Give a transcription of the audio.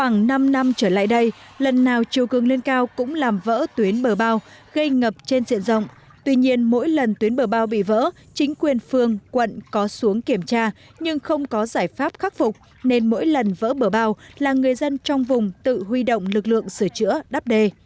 khoảng năm năm trở lại đây lần nào chiều cường lên cao cũng làm vỡ tuyến bờ bao gây ngập trên diện rộng tuy nhiên mỗi lần tuyến bờ bao bị vỡ chính quyền phường quận có xuống kiểm tra nhưng không có giải pháp khắc phục nên mỗi lần vỡ bờ bao là người dân trong vùng tự huy động lực lượng sửa chữa đắp đề